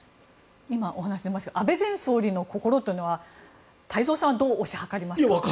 今お話に出ましたが安倍前総理の心というのは太蔵さんはどう推し量りますか？